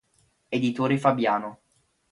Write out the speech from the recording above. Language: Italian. Editore Fabiano|